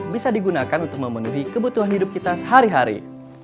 bisa digunakan untuk memenuhi kebutuhan hidup kita sehari hari